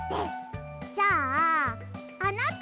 じゃああなた！